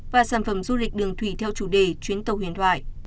và sản phẩm du lịch đường thủy theo chủ đề chuyến tàu huyền thoại